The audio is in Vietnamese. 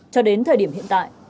cho đến thời điểm hiện tại